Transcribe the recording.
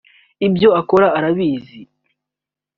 ibyo akora arabizi